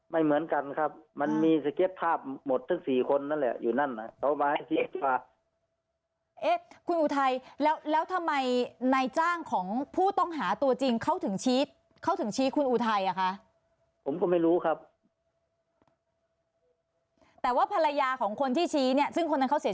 ไม่เหมือนกันครับมันมีสเก็บภาพหมดทั้ง๔คนนั้นแหละอยู่นั้น